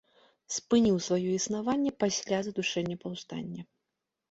Спыніў сваё існаванне пасля задушэння паўстання.